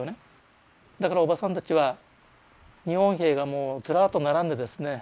だからおばさんたちは日本兵がもうずらっと並んでですね